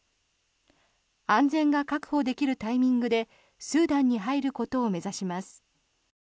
安全が確保できるタイミングでスーダンに入ることを目指します。